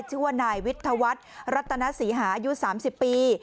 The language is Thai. ชื่อว่านายวิทยาวัฒนธ์รัตนาศรีหายุสามยาเสพติด